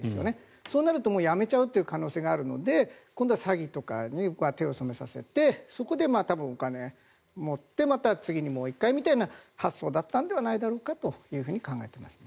そうなるとやめちゃう可能性があるので今度は詐欺とかに手を染めさせてそこでお金を持ってまた次にもう１回みたいな発想だったんじゃないかと考えていますね。